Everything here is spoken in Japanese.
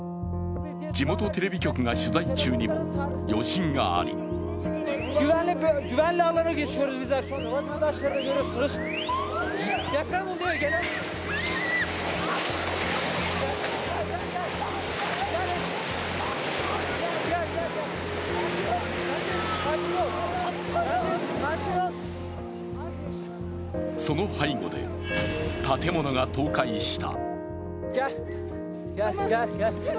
地元テレビ局が取材中にも余震がありその背後で、建物が倒壊した。